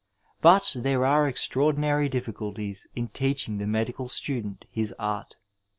But there axe extraordinary difficnities in teaching the medical student his Art.